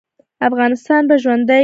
افغانستان به ژوندی وي؟